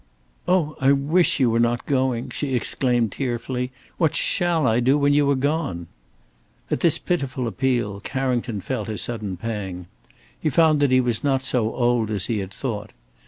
"Oh, I wish you were not going!" she exclaimed tearfully. "What shall I do when you are gone?" At this pitiful appeal, Carrington felt a sudden pang. He found that he was not so old as he had thought.